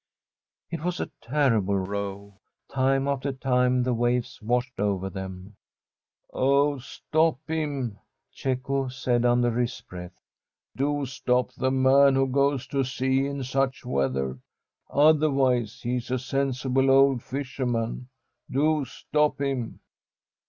It was a terrible row. Time after time the waves washed over them. * Oh. stop him !' Cecco said under his breath ;* do stop the man who goes to sea in such weather! Otherwise he is a sensible old fisher man. Do stop him